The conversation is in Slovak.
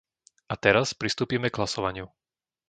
A teraz pristúpime k hlasovaniu.